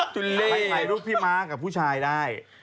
ไปใหม่รูปพี่มาร์คกับผู้ชายได้